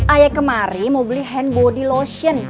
ayah kemari mau beli hand body lotion